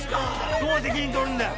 どう責任取るんだよ！